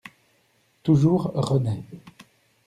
Toujours renaît